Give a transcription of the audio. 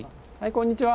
こんにちは。